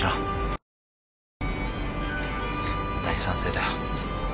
大賛成だよ。